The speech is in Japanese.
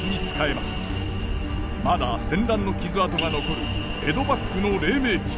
まだ戦乱の傷痕が残る江戸幕府の黎明期。